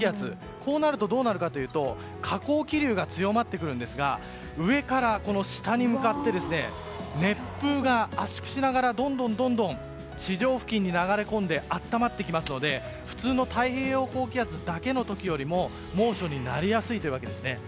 こうなると、どうなるかというと下降気流が強まってくるんですが上から下に向かって熱風が圧縮しながらどんどん地上付近に流れ込んで暖まってきますので普通の太平洋高気圧だけの時よりも猛暑になりやすいというわけですね。